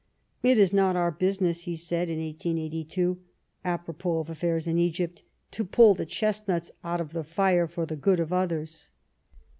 "It is not our business," he said in 1882, a propos of affairs in Egypt, " to pull the chestnuts out of the fire for the good of others."